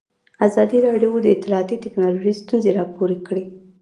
ازادي راډیو د اطلاعاتی تکنالوژي ستونزې راپور کړي.